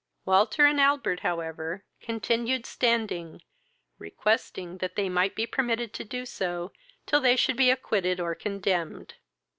Walter and Albert, however, continued standing, requesting they might be permitted to do so, till they should be acquitted or condemned.